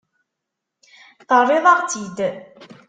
Terriḍ-aɣ-tt-id.